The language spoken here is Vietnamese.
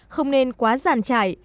không nên quá giàn trải